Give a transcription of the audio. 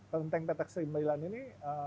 kelenteng petak sembilan ini